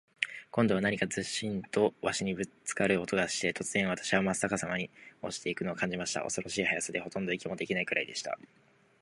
今度は何かズシンと鷲にぶっつかる音がして、突然、私はまっ逆さまに落ちて行くのを感じました。恐ろしい速さで、ほとんど息もできないくらいでした。